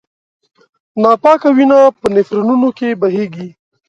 ناپاکه وینه په نفرونونو کې بهېږي.